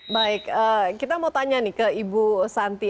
baik kita mau tanya nih ke ibu santi